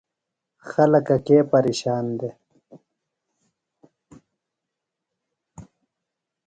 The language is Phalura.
خلکہ کے پیرشان دےۡ؟